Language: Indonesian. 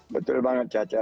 betul banget caca